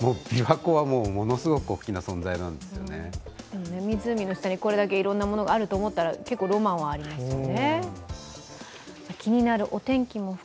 湖の下にこれだけいろんなものがあると思ったら結構ロマンはありますね。